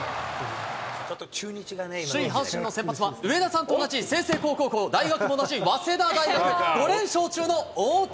首位阪神の先発は、上田さんと同じ済々黌高校、大学も同じ早稲田大学、５連勝中の大竹。